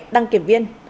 đăng kiểm viên